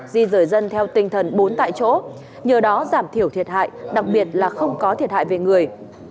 di rời dân theo tinh thần bốn tại chỗ nhờ đó giảm thiểu thiệt hại đặc biệt là không có thiệt hại về người